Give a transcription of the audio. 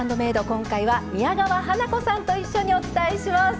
今回は宮川花子さんと一緒にお伝えします。